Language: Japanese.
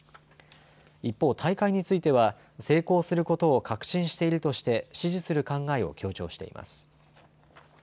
一方、大会については成功することを確信しているとして支持する考えを強調しています。